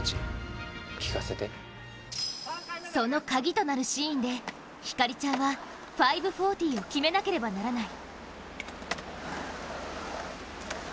その鍵となるシーンで、晃ちゃんは５４０を決めなければならない。